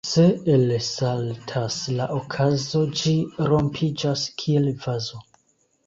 Se elsaltas la okazo, ĝi rompiĝas kiel vazo.